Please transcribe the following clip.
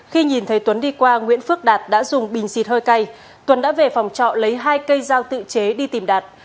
khi nhìn thấy tuấn đi qua nguyễn phước đạt đã dùng bình xịt hơi cay tuấn đã về phòng trọ lấy hai cây dao tự chế đi tìm đạt